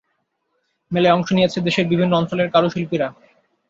মেলায় অংশ নিয়েছে দেশের বিভিন্ন অঞ্চলের কারুশিল্পীরা।